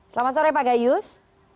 selamat sore pak gayus